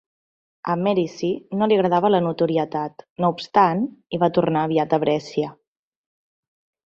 A Merici no li agradava la notorietat, no obstant, i va tornar aviat a Brescia.